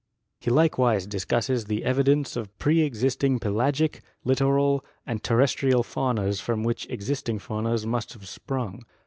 He likewise discusses the evidences of pre existing pelagic, littoral and terrestrial faunas from which existing faunas must have sprung.